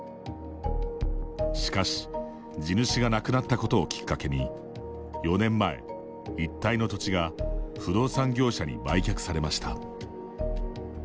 しかし、地主が亡くなったことをきっかけに４年前、一帯の土地が不動産業者に売却されました。